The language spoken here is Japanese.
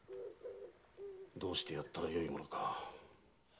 どうしてやったらよいものか。